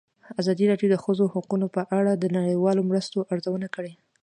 ازادي راډیو د د ښځو حقونه په اړه د نړیوالو مرستو ارزونه کړې.